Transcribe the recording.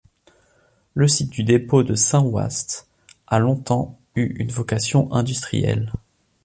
Le site du dépôt de Saint-Waast a longtemps eu une vocation industrielle.